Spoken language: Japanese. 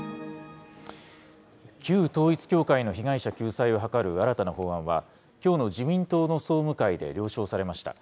旧統一教会の被害者救済を図る新たな法案は、きょうの自民党の総務会で了承されました。